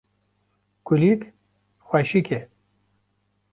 Kulîlk xweşik e